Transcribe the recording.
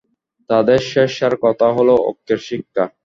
তাদের শেষ সার কথা হল ঐক্যের শিক্ষা।